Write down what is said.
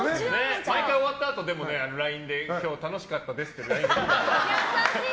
毎回終わったあとＬＩＮＥで今日も楽しかったですって優しい！